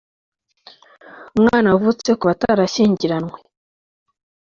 umwana wavutse ku batarashyingiranywe